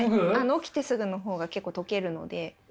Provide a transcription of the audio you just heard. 起きてすぐの方が結構解けるので。